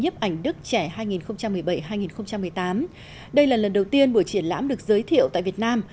nhiếp ảnh đức trẻ hai nghìn một mươi bảy hai nghìn một mươi tám đây là lần đầu tiên buổi triển lãm được giới thiệu tại việt nam